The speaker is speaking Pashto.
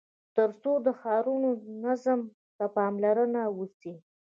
تر څو د ښارونو نظم ته پاملرنه وسي.